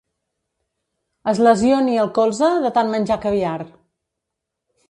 Es lesioni el colze de tant menjar caviar.